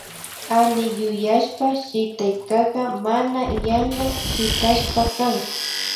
Alli yuyashpa shitaykaka mana yanka shitashka kan